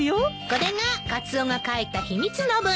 これがカツオが書いた秘密の文書。